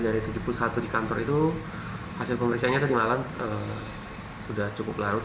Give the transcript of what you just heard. dan dari tujuh puluh satu di kantor itu hasil pemeriksaannya tadi malam sudah cukup larut